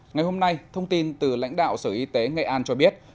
ngày hôm nay thông tin từ lãnh đạo sở y tế nghệ an cho biết